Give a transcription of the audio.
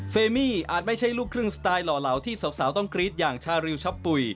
เมมี่อาจไม่ใช่ลูกครึ่งสไตล์หล่อเหลาที่สาวต้องกรี๊ดอย่างชาริวชับปุ๋ย